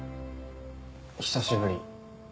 久しぶり。